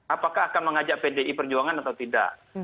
apakah akan mengajak pdi perjuangan atau tidak